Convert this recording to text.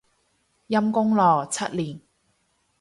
陰功咯，七年